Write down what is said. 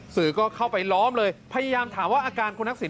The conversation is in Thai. สื่อก็เข้าไปล้อมเลยพยายามถามว่าอาการคุณทักษิณ